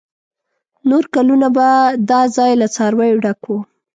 نور کلونه به دا ځای له څارویو ډک و.